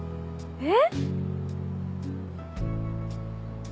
えっ。